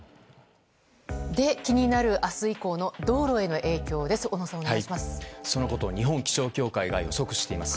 気になる明日以降の道路への影響です。